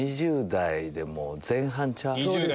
２０代でも前半ちゃう？